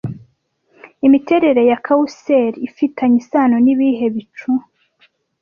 Imiterere ya kawuseri ifitanye isano nibihe bicu